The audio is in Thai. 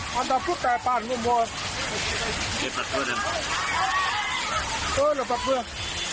ป่าวขอให้จะเสียขัง